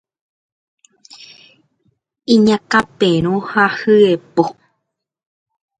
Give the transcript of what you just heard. Iñakãperõ ha hyepo